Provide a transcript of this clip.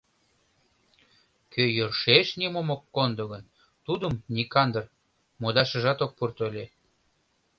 Кӧ йӧршеш нимом ок кондо гын, тудым Никандр модашыжат ок пурто ыле.